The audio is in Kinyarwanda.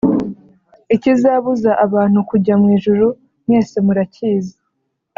Ikizabuza abantu kujya mu ijuru mwese murakizi